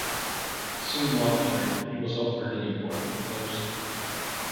Soon after, he was offered an important post.